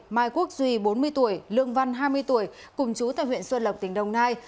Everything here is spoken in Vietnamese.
mai quốc duy bốn mươi tuổi lương văn hai mươi tuổi cùng chú tại huyện xuân lộc tỉnh đồng nai